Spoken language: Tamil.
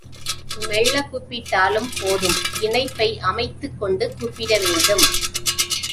மெள்ளக் கூப்பிட்டாலும் போதும் இணைப்பை அமைத்துக் கொண்டு கூப்பிட வேண்டும்.